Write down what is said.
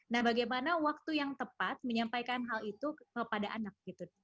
nah bagaimana waktu yang tepat menyampaikan hal itu kepada anak gitu